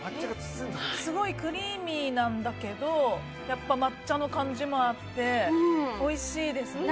すごいクリーミーなんだけどやっぱり抹茶の感じもあっておいしいですね。